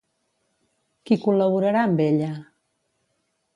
Qui col·laborarà amb ella?